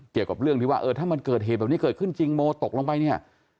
เกี่ยวกับเรื่องที่ว่าเออถ้ามันเกิดเหตุแบบนี้เกิดขึ้นจริงโมตกลงไปเนี่ย